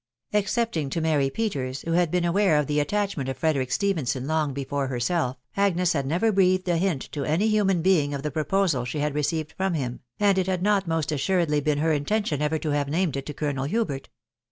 *••••'* Excepting to Mary Peters, who had been aware of the at tachment of Frederick Stephenson long before herself, Agnei had never breathed a hint to any human being of the proposal she had received from him, and it had not most assuredly been her intention ever to have named it to Colonel Hubert.